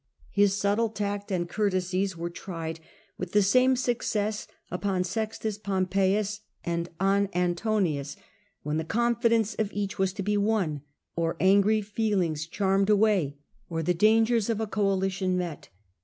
His subtle tact and courtesies were tried with the same success upon Sextus Pompeius and on Antonins, when the confidence of each was to be won, or angry feelings charmed away, or the dangers of a coali 26 The Earlier Empire, b.c. 31— tion met.